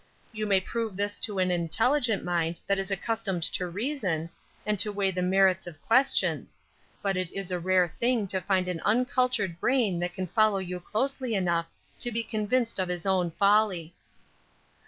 You may prove this to an intelligent mind that is accustomed to reason, and to weigh the merits of questions, but it is a rare thing to find an uncultured brain that can follow you closely enough to be convinced of his own folly.